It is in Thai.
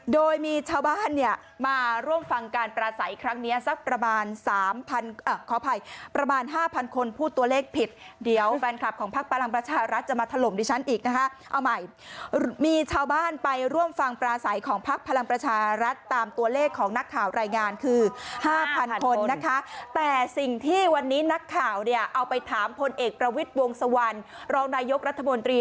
โดยมีชาวบ้านเนี่ยมาร่วมฟังการปราศัยครั้งเนี้ยสักประมาณ๓๐๐๐ขออภัยประมาณ๕๐๐๐คนพูดตัวเลขผิดเดี๋ยวแฟนคลับของภาคพลังประชารัฐจะมาถล่มดิฉันอีกนะคะเอาใหม่มีชาวบ้านไปร่วมฟังปราศัยของภาคพลังประชารัฐตามตัวเลขของนักข่าวรายงานคือ๕๐๐๐คนนะคะแต่สิ่งที่วันนี้นักข่าวเนี่